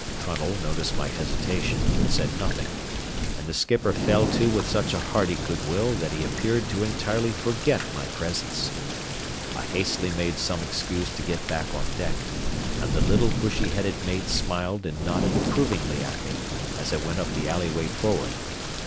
Trunnell noticed my hesitation, but said nothing, and the skipper fell to with such a hearty good will that he appeared to entirely forget my presence. I hastily made some excuse to get back on deck, and the little, bushy headed mate smiled and nodded approvingly at me as I went up the alleyway forward.